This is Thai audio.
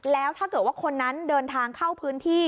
แล้วถ้าเกิดว่าคนนั้นเดินทางเข้าพื้นที่